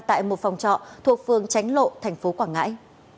tại một phòng trọ thuộc phường tránh lộ thành phố quảng ngãi